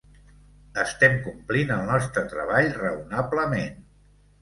Estem complint el nostre treball raonablement.